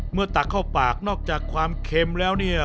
ตักเข้าปากนอกจากความเค็มแล้วเนี่ย